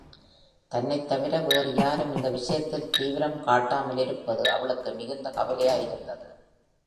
தன்னைத் தவிர வேறு யாரும் இந்த விஷயத்தில் தீவிரம் காட்டாமல் இருப்பது அவளுக்கு மிகுந்த கவலையாய் இருந்தது.